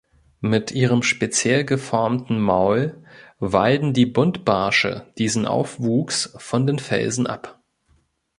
Mit ihrem speziell geformten Maul weiden die Buntbarsche diesen Aufwuchs von den Felsen ab.